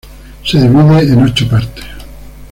Se divide en ocho partes.